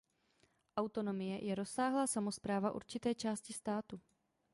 Autonomie je rozsáhlá samospráva určité části státu.